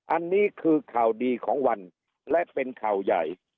อันนี้คือข่าวดีของวันและเป็นข่าวใหญ่